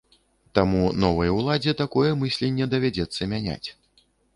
Таму новай уладзе такое мысленне давядзецца мяняць.